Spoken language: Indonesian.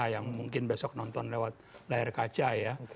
yang mungkin besok nonton lewat layar kaca ya